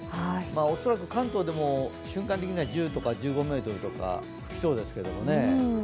恐らく関東でも瞬間的には１０とか１５とか吹きそうですけれども。